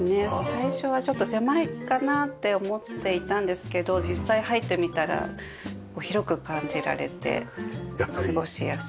最初はちょっと狭いかなって思っていたんですけど実際入ってみたら広く感じられて過ごしやすい。